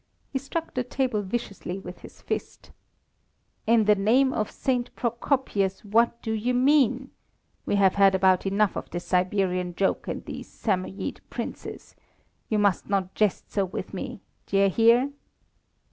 He struck the table viciously with his fist. "In the name of St. Procopius, what do you mean? We have had about enough of this Siberian joke and these Samoyede princes. You must not jest so with me. D'ye hear?"